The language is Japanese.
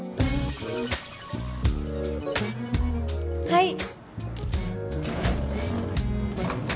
はい！